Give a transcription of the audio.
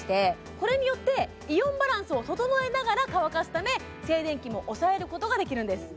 これによってイオンバランスを整えながら乾かすため静電気も抑えることができるんです